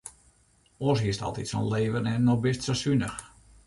Oars hiest altyd sa'n leven en no bist sa sunich.